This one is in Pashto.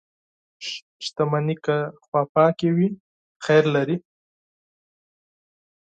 • شتمني که پاکه وي، خیر لري.